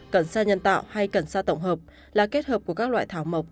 cần xa nhân tạo hay cần xa tổng hợp là kết hợp của các loại thảo mộc